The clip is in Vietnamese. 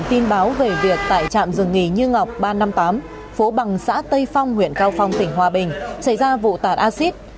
trạm dừng nghỉ như ngọc ba trăm năm mươi tám phố bằng xã tây phong huyện cao phong tỉnh hòa bình xảy ra vụ tạt acid